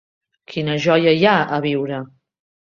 Quina joia hi ha a viure?